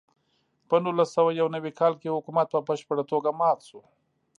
په نولس سوه یو نوي کال کې حکومت په بشپړه توګه مات شو.